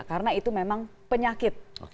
karena itu memang penyakit